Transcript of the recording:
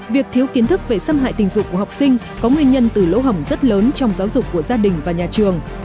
việc thiếu kiến thức về xâm hại tình dục của học sinh có nguyên nhân từ lỗ hỏng rất lớn trong giáo dục của gia đình và nhà trường